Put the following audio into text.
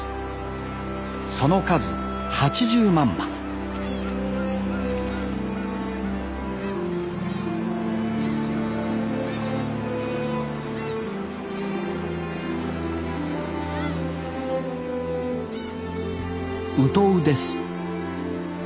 その数８０万羽ウトウです。